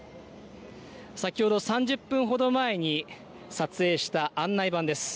先ほど３０分ほど前に撮影した案内板です。